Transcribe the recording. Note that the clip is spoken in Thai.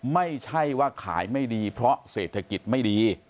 ไม่ใช่ว่าขายไม่ดีเพราะเศรษฐกิจไม่ดี